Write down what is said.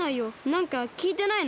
なんかきいてないの？